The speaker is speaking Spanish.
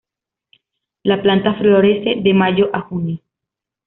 La planta florece de mayo a junio.